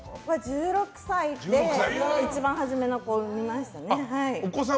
１６歳で一番初めの子を産みました。